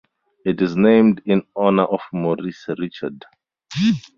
It is named in honour of Maurice Richard.